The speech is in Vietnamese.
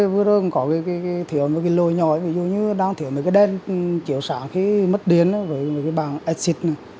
vừa rồi mình có thiếu một cái lôi nhỏ ví dụ như đang thiếu mấy cái đen chiều sáng khi mất điên rồi cái bàn exit này